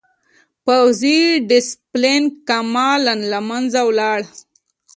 پوځي ډسپلین کاملاً له منځه لاړ.